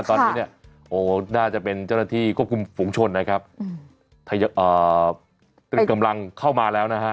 ตอนนี้เนี่ยโอ้น่าจะเป็นเจ้าหน้าที่ควบคุมฝุงชนนะครับตึงกำลังเข้ามาแล้วนะฮะ